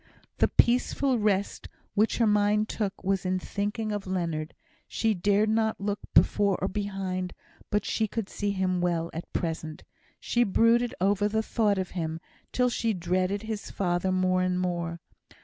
The peaceful rest which her mind took was in thinking of Leonard. She dared not look before or behind, but she could see him well at present. She brooded over the thought of him, till she dreaded his father more and more.